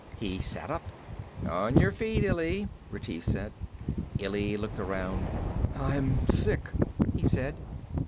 He sat up. "On your feet, Illy," Retief said. Illy looked around. "I'm sick," he said.